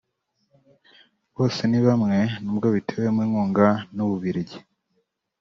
Bosenibamwe nubwo bitewemo inkunga n’u Bubiligi